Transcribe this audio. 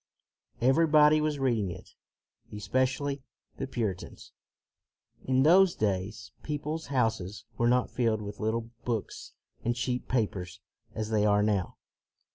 Everybody was reading it, especially the Puritans. In those days people's houses were not filled with little books and cheap papers as they CROMWELL 235 are now.